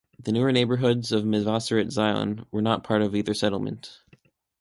The newer neighborhoods of Mevaseret Zion were not part of either settlement.